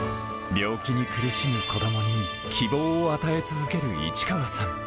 病気に苦しむ子どもに希望を与え続ける市川さん。